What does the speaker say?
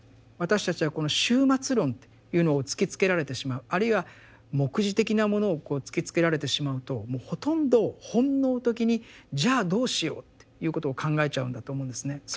私たちはこの終末論っていうのを突きつけられてしまうあるいは黙示的なものをこう突きつけられてしまうともうほとんど本能的に「じゃあどうしよう」っていうことを考えちゃうんだと思うんですね。